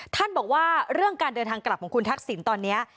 ท่านบอกว่าเรื่องการเดินทางกลับของคุณทักษิณตอนนี้